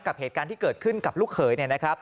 กับเหตุการณ์ที่เกิดขึ้นกับลูกเขย